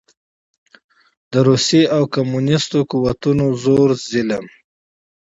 د روسي او کميونسټو قوتونو زور ظلم